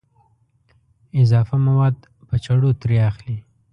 اضافه مواد په چړو ترې اخلي.